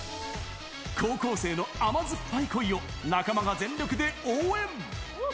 高校生の甘酸っぱい恋を、仲間が全力で応援。